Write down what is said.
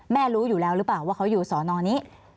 รู้อยู่แล้วหรือเปล่าว่าเขาอยู่สอนอนี้